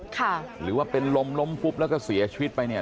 หรือว่าเป็นลมล้มปุ๊บแล้วก็เสียชีวิตไปเนี่ย